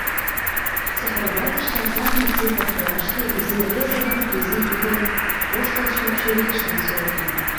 Циферблатыште кажне цифр тураште изи рвезе ден изи ӱдырын воштылшо чурийыштым сӱретлыме.